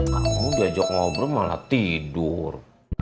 kamu diajak ngobrol malah tidur